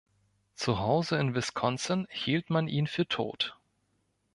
Zu Hause in Wisconsin hielt man ihn für tot.